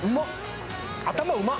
頭、うまっ。